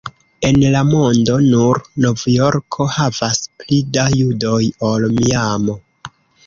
En la mondo, nur Novjorko havas pli da judoj ol Miamo.